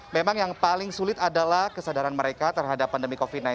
memang yang paling sulit adalah kesadaran mereka terhadap pandemi covid sembilan belas